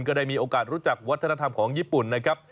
ก็ได้มีโอกาสรู้จักวัฒนธรรมของญี่ปุ่นนะครับ